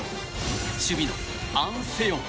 守備のアン・セヨン。